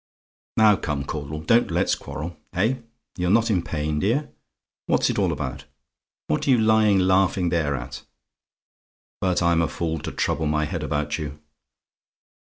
"Now, come, Caudle; don't let's quarrel. Eh! You're not in pain, dear? What's it all about? What are you lying laughing there at? But I'm a fool to trouble my head about you.